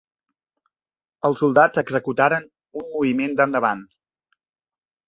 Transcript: Els soldats executaren un moviment endavant.